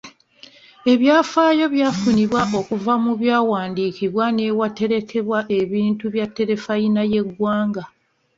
Ebyafaayo byafunibwa okuva mu byawandiikibwa n'ewaterekebwa ebintu bya terefayina y'eggwanga .